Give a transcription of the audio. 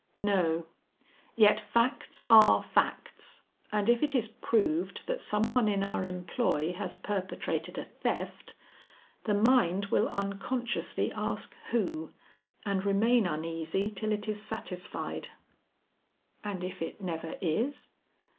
"No; yet facts are facts, and if it is proved that some one in our employ has perpetrated a theft, the mind will unconsciously ask who, and remain uneasy till it is satisfied." "And if it never is?"